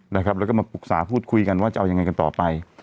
แล้วก็มาปรึกษาพูดคุยกันว่าจะเอายังไงกันต่อไป